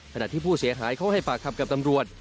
ขณะที่ผู้เสียหายเขาให้ปากคำกับตำรวจ